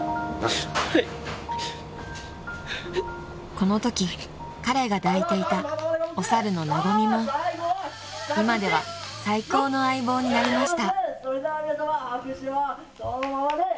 ［このとき彼が抱いていたお猿の和も今では最高の相棒になりました］